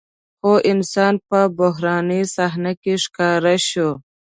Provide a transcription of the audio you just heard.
خو انسان په بحراني صحنه کې ښکاره شو.